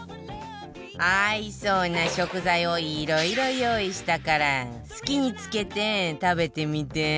合いそうな食材をいろいろ用意したから好きにつけて食べてみて